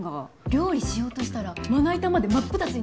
料理しようとしたらまな板まで真っ二つになったって。